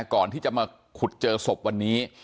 ก่อนที่จะมาขุดเจอศพวันนี้